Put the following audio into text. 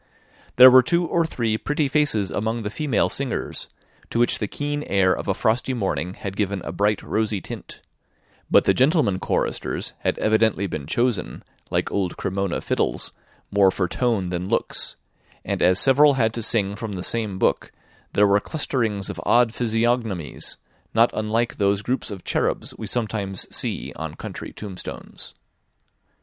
There were two or three pretty faces among the female singers, to which the keen air of a frosty morning had given a bright rosy tint; but the gentlemen choristers had evidently been chosen, like old Cremona fiddles, more for tone than looks; and as several had to sing from the same book, there were clusterings of odd physiognomies, not unlike those groups of cherubs we sometimes see on country tombstones.